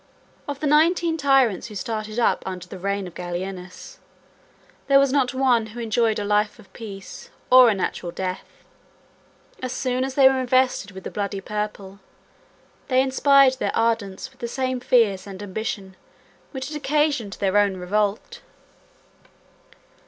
Of the nineteen tyrants who started up under the reign of Gallienus, there was not one who enjoyed a life of peace, or a natural death. As soon as they were invested with the bloody purple, they inspired their adherents with the same fears and ambition which had occasioned their own revolt.